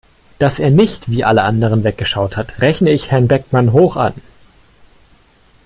Dass er nicht wie alle anderen weggeschaut hat, rechne ich Herrn Beckmann hoch an.